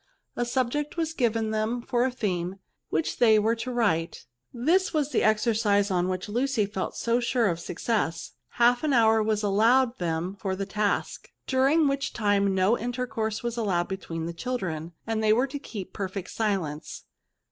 A subject was given them for a theme, which they were to write. This was the exercise on which Lucy felt so sure of success. Half an hour was allowed them for the task, during which time no in tercourse was allowed between the children, and they were to keep perfect silence.